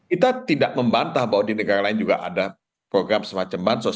kita tidak membantah bahwa di negara lain juga ada program semacam bansos